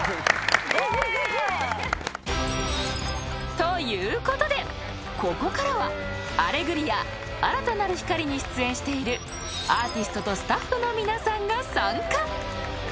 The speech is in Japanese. ［ということでここからは『アレグリア−新たなる光−』に出演しているアーティストとスタッフの皆さんが参加］